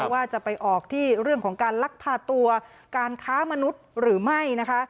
ว่าจะไปออกที่เรื่องของการลักพาตัวการค้ามนุษย์หรือไม่นะคะ